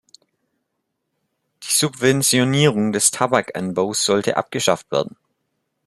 Die Subventionierung des Tabakanbaus sollte abgeschafft werden.